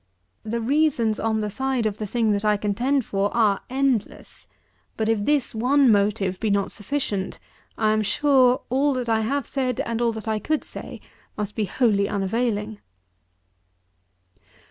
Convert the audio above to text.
The reasons on the side of the thing that I contend for are endless; but if this one motive be not sufficient, I am sure, all that I have said, and all that I could say, must be wholly unavailing.